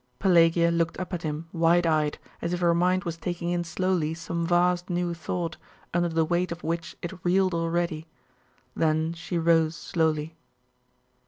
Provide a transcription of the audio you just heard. Pelagia looked tip at him wide eyed, as if her mind was taking in slowly some vast new thought, under the weight of which it reeled already. Then she rose slowly.